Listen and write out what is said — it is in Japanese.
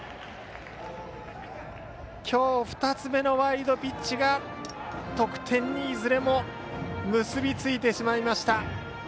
きょう、２つ目のワイルドピッチが得点にいずれも結びついてしまいました。